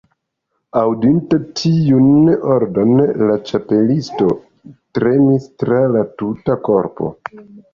Aŭdinte tiun ordonon la Ĉapelisto tremis tra la tuta korpo.